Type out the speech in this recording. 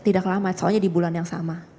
tidak lama soalnya di bulan yang sama